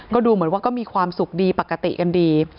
ก็ดูเหมือนว่าก็มีความสุขดีปกติกันดี